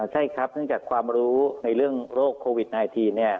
ใช่ครับเนื่องจากความรู้ในเรื่องโรคโควิด๑๙